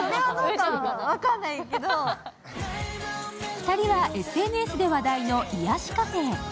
２人はＳＮＳで話題の癒やしカフェへ。